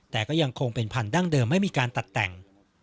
แต่ก็ยังคงเป็นพันธั้งเดิมให้มีการตัดแต่ง